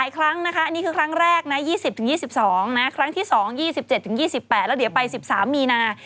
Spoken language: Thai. ครั้งแรกนะ๒๐ถึง๒๒นะครั้งที่๒๒๗ถึง๒๘แล้วเดี๋ยวไป๑๓มีนา